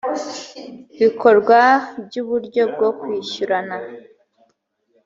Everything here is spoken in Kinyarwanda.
bikorwa by’uburyo bwo kwishyurana